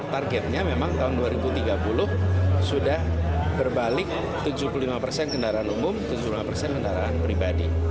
targetnya memang tahun dua ribu tiga puluh sudah berbalik tujuh puluh lima persen kendaraan umum tujuh puluh lima persen kendaraan pribadi